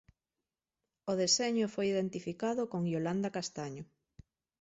O deseño foi identificado con Iolanda Castaño.